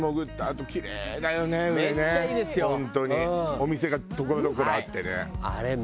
お店がところどころあってね。